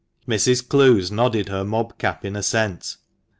Mrs. Clowes nodded her mob cap in assent.